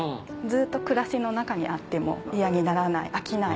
ずっと暮らしの中にあっても嫌にならない飽きない。